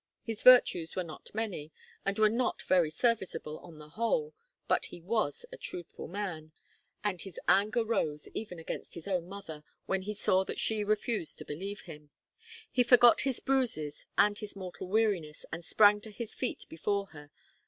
His virtues were not many, and were not very serviceable, on the whole; but he was a truthful man, and his anger rose, even against his own mother, when he saw that she refused to believe him. He forgot his bruises and his mortal weariness, and sprang to his feet before her.